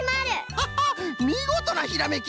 ハハッみごとなひらめき。